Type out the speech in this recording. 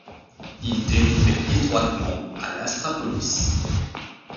Il dérivait étroitement a l'Astra Police.